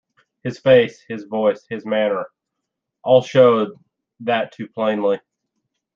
His face, his voice, his manner, all showed that too plainly.